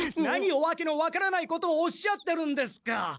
何をわけの分からないことをおっしゃってるんですか！